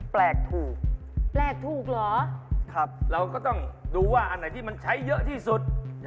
แปลกถูกแปลกถูกเหรอครับเราก็ต้องดูว่าอันไหนที่มันใช้เยอะที่สุด